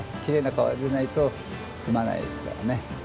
きれいな川じゃないとすまないですからね。